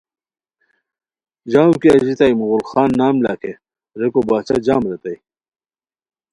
ژاؤ کی اژیتائے مغل خان نام لاکھے' ریکو باچھا جام ریتائے